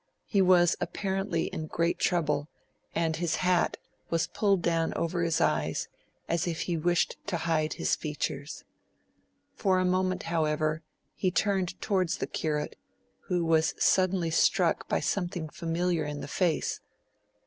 He was apparently in great trouble, and his hat was pulled down over his eyes as if he wished to hide his features. For a moment, however, he turned towards the Curate, who was suddenly struck by something familiar in the face.